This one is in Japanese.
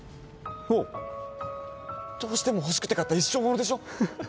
おうどうしても欲しくて買った一生ものでしょ？